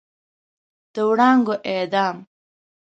د وړانګو اعدام